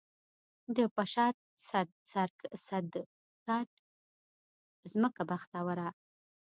د پشد، صدرګټ ځمکه بختوره